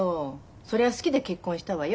そりゃ好きで結婚したわよ。